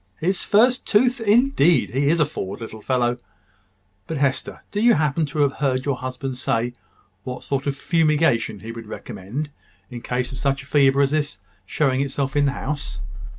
"His first tooth? Indeed! He is a forward little fellow. But, Hester, do you happen to have heard your husband say what sort of fumigation he would recommend in case of such a fever as this showing itself in the house?"